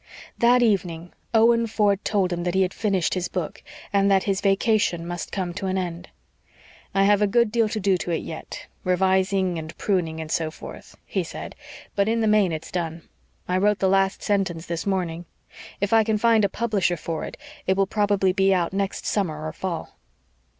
That evening Owen Ford told them that he had finished his book and that his vacation must come to an end. "I have a good deal to do to it yet revising and pruning and so forth," he said, "but in the main it's done. I wrote the last sentence this morning. If I can find a publisher for it it will probably be out next summer or fall."